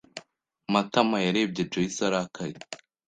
Matama yarebye Joyci arakaye.